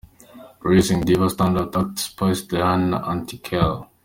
Raising Diva Stand Out Act Spice Diana – Anti Kale.